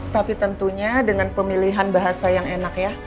tapi tentunya dengan pemilihan bahasa yang enak ya